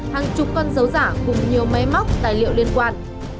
hàng chục con dấu giả cùng nhiều máy móc tài liệu liên quan